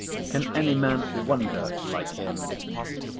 Can any man wonder, like him?